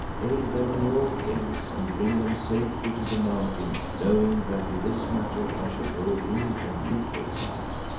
Aid them in all things and bring them safely to the Mountain, knowing that in this matter I shall hold him and you to account.